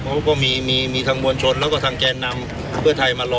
เขาก็มีมีทางมวลชนแล้วก็ทางแกนนำเพื่อไทยมารอ